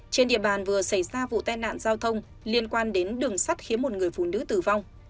trên địa bàn vừa xảy ra vụ tai nạn giao thông liên quan đến đường sắt khiến một người phụ nữ tử vong